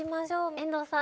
遠藤さん